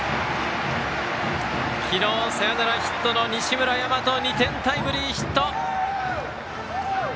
昨日サヨナラヒットの西村大和２点タイムリーヒット。